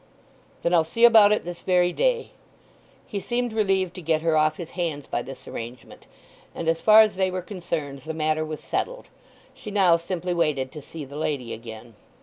"Then I'll see about it this very day." He seemed relieved to get her off his hands by this arrangement, and as far as they were concerned the matter was settled. She now simply waited to see the lady again.